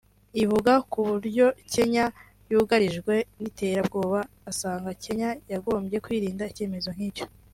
ivuga ku buryo Kenya yugarijwe n’iterabwoba asanga Kenya yagombye kwirinda icyemezo nk’icyo